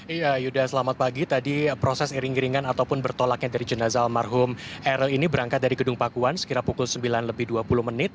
iya yuda selamat pagi tadi proses iring iringan ataupun bertolaknya dari jenazah almarhum eril ini berangkat dari gedung pakuan sekira pukul sembilan lebih dua puluh menit